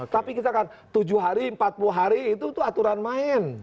tapi kita kan tujuh hari empat puluh hari itu tuh aturan main